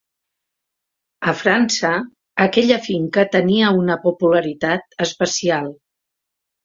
A França, aquella finca tenia una popularitat especial.